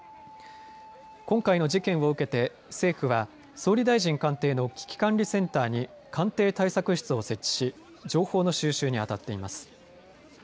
今回の事件を受けて政府は総理大臣官邸の危機管理センターに官邸対策室を設置し情報の収集にあたっています。